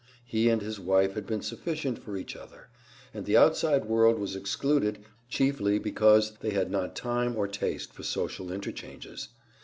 He and his wife had been sufficient for each other, and the outside world was excluded chiefly because they had not time or taste for social interchanges.